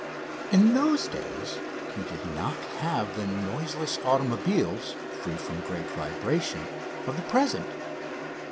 In those days we did not have the noiseless automobiles, free from great vibration, of the present.